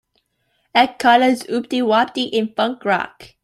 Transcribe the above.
add carla's OopDeeWopDee in Funk Rock